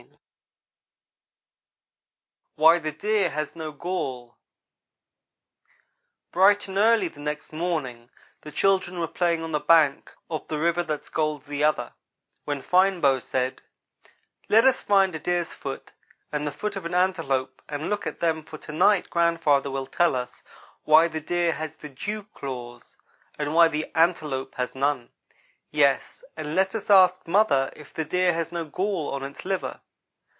Ho!" WHY THE DEER HAS NO GALL BRIGHT and early the next morning the children were playing on the bank of "The River That Scolds the Other," when Fine Bow said: "Let us find a Deer's foot, and the foot of an Antelope and look at them, for to night grandfather will tell us why the Deer has the dew claws, and why the Antelope has none." "Yes, and let us ask mother if the Deer has no gall on its liver.